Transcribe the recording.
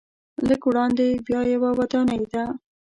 لږ وړاندې بیا یوه ودانۍ ده.